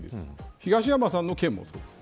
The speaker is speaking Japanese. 東山さんの件もそうです。